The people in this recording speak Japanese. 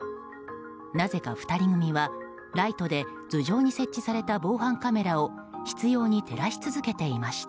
なぜか２人組はライトで頭上に設置された防犯カメラを執拗に照らし続けていました。